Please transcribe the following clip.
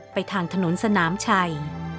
ไปทางถนนสนามชัย